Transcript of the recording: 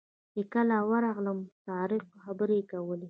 چې کله ورغلم طارق خبرې کولې.